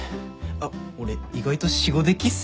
あっ俺意外としごできっすよ。